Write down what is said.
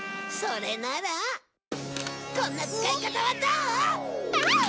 それならこんな使い方はどう？